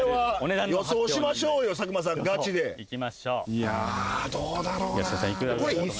いやぁどうだろうな。